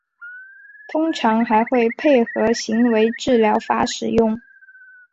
通常还会配合行为治疗法使用。